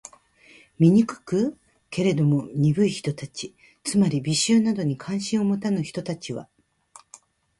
醜く？けれども、鈍い人たち（つまり、美醜などに関心を持たぬ人たち）は、